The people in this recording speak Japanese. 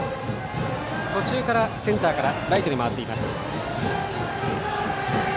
途中からセンターからライトに回っています。